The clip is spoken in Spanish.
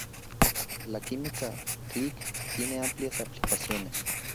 La química click tiene amplias aplicaciones.